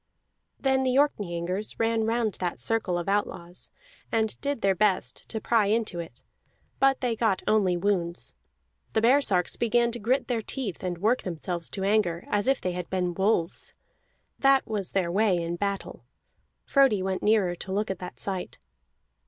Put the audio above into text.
Then the Orkneyingers ran round that circle of outlaws, and did their best to pry into it; but they got only wounds. The baresarks began to grit their teeth and work themselves to anger as if they had been wolves; that was their way in battle. Frodi went nearer to look at that sight.